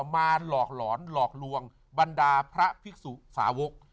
มาหลอกหลอนหลอกลวงบรรดาพระภิกษุสาวก